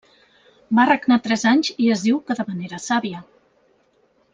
Va regnar tres anys i es diu que de manera sàvia.